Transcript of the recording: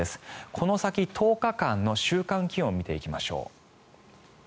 この先、１０日間の週間気温を見ていきましょう。